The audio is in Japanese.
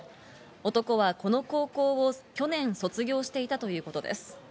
男はこの高校を去年卒業していたということです。